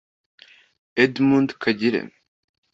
Edmund Kagire